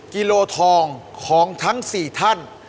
กิโลทองของทั้ง๔ท่าน